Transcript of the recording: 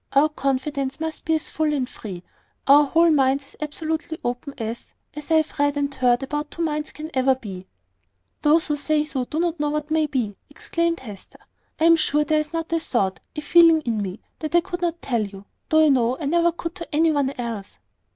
Our confidence must be as full and free, our whole minds as absolutely open, as as I have read and heard that two minds can never be." "Those who say so do not know what may be," exclaimed Hester. "I am sure there is not a thought, a feeling in me, that I could not tell you, though I know I never could to any one else."